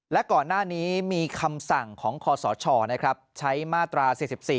และก่อนหน้านี้มีคำสั่งของคศใช้มาตรา๔๔